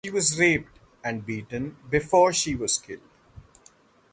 She was raped and beaten before she was killed.